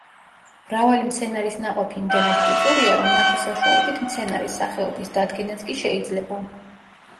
მრავალი მცენარის ნაყოფი იმდენად ტიპურია, რომ მათი საშუალებით მცენარის სახეობის დადგენაც კი შეიძლება.